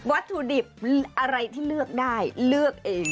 วัตถุดิบอะไรที่เลือกได้เลือกเอง